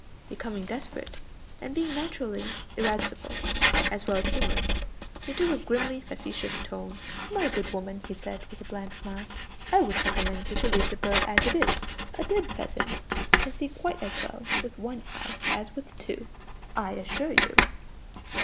Becoming desperate, and being naturally irascible, as well as humorous, he took a grimly facetious course. "My good woman," he said, with a bland smile, "I would recommend you to leave the bird as it is. A dead pheasant can see quite as well with one eye as with two, I assure you."